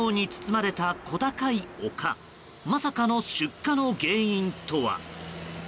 まさかの出火の原因とは。